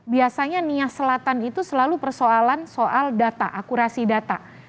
biasanya nias selatan itu selalu persoalan soal data akurasi data